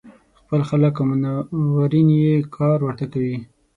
خپل خلک او منورین یې کار ورته کوي.